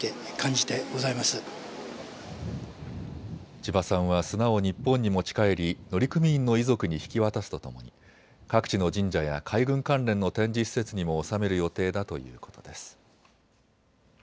千葉さんは砂を日本に持ち帰り乗組員の遺族に引き渡すとともに各地の神社や海軍関連の展示施設にも納める予定だということです。